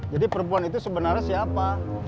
jadi perempuan itu sebenarnya siapa